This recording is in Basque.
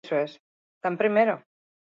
Hala ere, ez du zauriturik eragin.